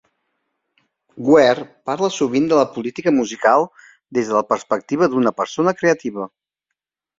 Ware parla sovint de la política musical des de la perspectiva d'una persona creativa.